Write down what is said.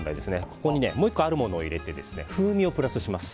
ここにもう１個あるものを入れて風味をプラスします。